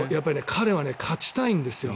彼は勝ちたいんですよ。